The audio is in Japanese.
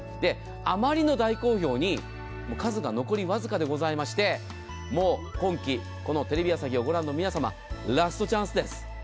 あまりの大好評に数が残りわずかでございまして今季、テレビ朝日をご覧の皆様ラストチャンスです。